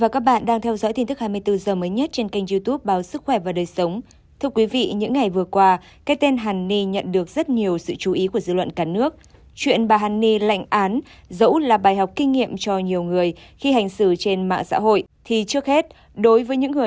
cảm ơn các bạn đã theo dõi